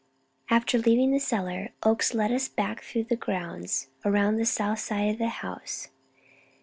After leaving the cellar, Oakes led us back through the grounds, around the south side of the house.